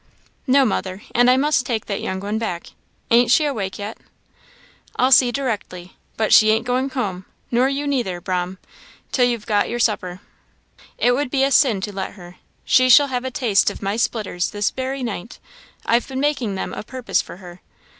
"No, mother, and I must take that young one back. Ain't she awake yet?" "I'll see directly; but she ain't going home, nor you neither, 'Brahm, till you've got your supper it would be a sin to let her. She shall have a taste of my splitters this very night; I've been makin' them o' purpose for her.